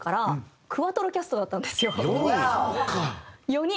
４人。